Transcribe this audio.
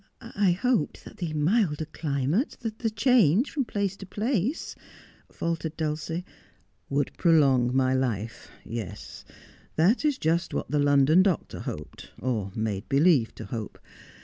' I hoped that the milder climate, the change from place to place ' faltered Dulcie. ' Would prolong my life. Yes, that is just what the London doctor hoped — or made believe to hope.